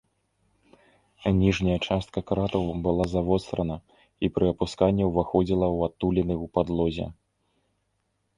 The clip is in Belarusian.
Ніжняя частка кратаў была завострана і пры апусканні ўваходзіла ў адтуліны ў падлозе.